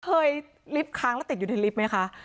ลิฟต์ค้างแล้วติดอยู่ในลิฟต์ไหมคะ